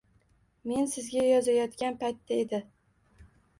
Men sizga yozayotgan paytda edi.